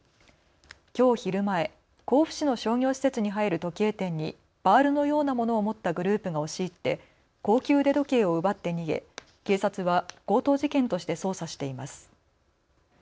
きょう昼前、甲府市の商業施設に入る時計店にバールのようなものを持ったグループが押し入って高級腕時計を奪って逃げ警察は強盗事件として捜査しています。